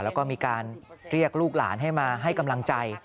แล้วก็มีการเรียกลูกหลานให้มาให้กำลังใจ